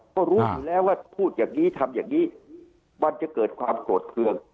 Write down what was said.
ก็รู้อยู่แล้วว่าพูดอย่างนี้ทำอย่างนี้มันจะเกิดความโกรธเครื่อง